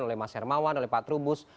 oleh mas hermawan oleh pak trubus